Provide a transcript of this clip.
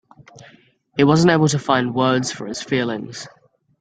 He was not able to find words for his feelings.